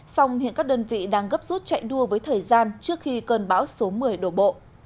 song hiện các đơn vị đang gấp rút chạy đua với thời gian trước khi cơn bão số một mươi đổ bộ